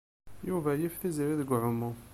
Yuba yif Tiziri deg uɛumu.